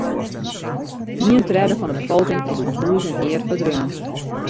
Ien tredde fan de befolking is fan hûs en hear ferdreaun.